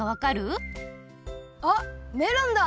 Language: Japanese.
あっメロンだ！